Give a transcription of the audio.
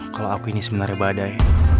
kalo aku ini sebenernya badai